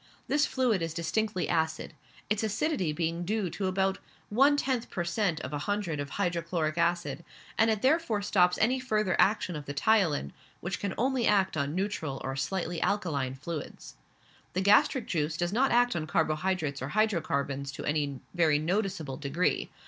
This fluid is distinctly acid, its acidity being due to about one tenth per cent {of a hundred} of hydrochloric acid, and it therefore stops any further action of the ptyalin, which can act only on neutral or slightly alkaline fluids. The gastric juice does not act on carbo hydrates or hydrocarbons to any very noticeable degree.